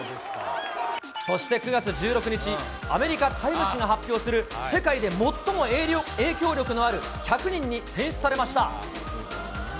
そして９月１６日、アメリカタイム誌が発表する世界で最も影響力のある１００人に選出されました。